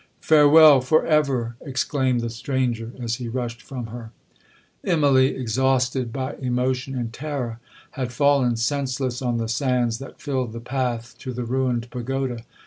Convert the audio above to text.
'Farewell for ever!' exclaimed the stranger, as he rushed from her. 'Immalee, exhausted by emotion and terror, had fallen senseless on the sands that filled the path to the ruined pagoda.